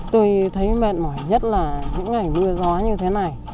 tôi thấy mệt mỏi nhất là những ngày mưa gió như thế này